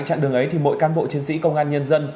trạng đường ấy thì mỗi cán bộ chiến sĩ công an nhân dân